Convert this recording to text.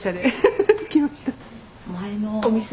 前のお店